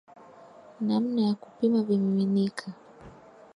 namna ya kupima vimiminika